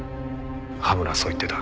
羽村はそう言ってた。